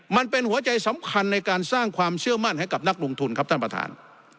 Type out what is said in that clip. มันเป็นหัวใจสำคัญในการสร้างความเชื่อมั่นให้กับนักลงทุนครับท่านประธาน